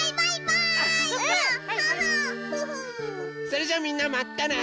それじゃあみんなまたね！